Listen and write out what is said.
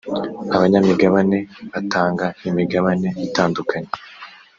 abanyamigabane batanga imigabane itandukanye.